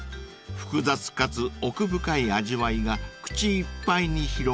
［複雑かつ奥深い味わいが口いっぱいに広がります］